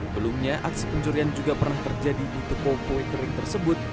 belumnya aksi pencurian juga pernah terjadi di toko kue kering tersebut